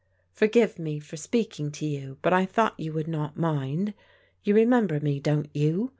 " Forgive me for speaking to you, but I thought you would not mind. You remember me, don't you